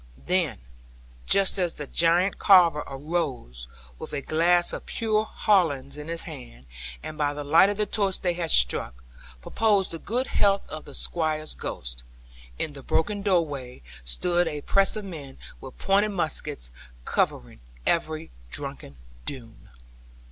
Then just as the giant Carver arose, with a glass of pure hollands in his hand, and by the light of the torch they had struck, proposed the good health of the Squire's ghost in the broken doorway stood a press of men, with pointed muskets, covering every drunken Doone.